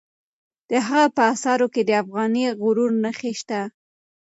د هغه په آثارو کې د افغاني غرور نښې شته.